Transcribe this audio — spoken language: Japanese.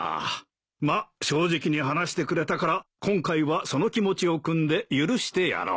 まっ正直に話してくれたから今回はその気持ちを酌んで許してやろう。